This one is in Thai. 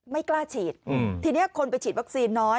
ไม่กล้าฉีดทีนี้คนไปฉีดวัคซีนน้อย